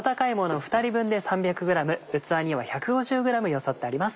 器には１５０ｇよそってあります。